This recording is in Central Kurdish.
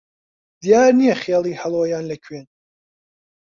دیار نییە خێڵی هەڵۆیان لە کوێن